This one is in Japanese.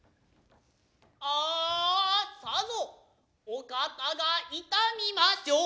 アアさぞ御肩が痛みましょう。